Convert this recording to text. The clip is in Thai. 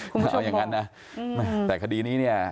คุณผู้ชมบอกแต่คดีนี้เนี่ย